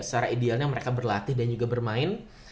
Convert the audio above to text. secara idealnya mereka berlatih dan juga bermain